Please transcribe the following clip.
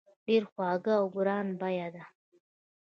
ډیر خوږ او ګران بیه دي.